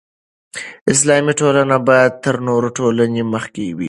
اسلامي ټولنه باید تر نورو ټولنو مخکې وي.